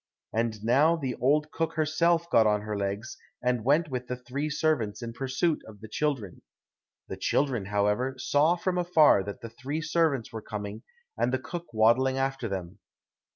And now the old cook herself got on her legs, and went with the three servants in pursuit of the children. The children, however, saw from afar that the three servants were coming, and the cook waddling after them.